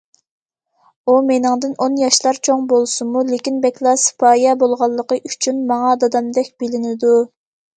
ئۇ مېنىڭدىن ئون ياشلار چوڭ بولسىمۇ، لېكىن بەكلا سىپايە بولغانلىقى ئۈچۈن ماڭا دادامدەك بىلىنىدۇ.